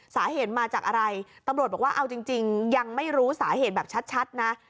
สาเหตุมาจากอะไรตำรวจบอกว่าเอาจริงยังไม่รู้สาเหตุแบบชัดนะ